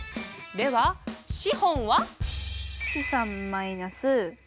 では資本は？